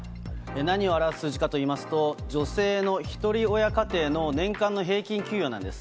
何を表す数字かといいますと、女性のひとり親家庭の年間の平均給与なんです。